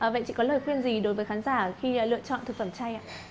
vậy chị có lời khuyên gì đối với khán giả khi lựa chọn thực phẩm chay ạ